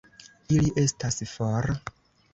Ili estas for!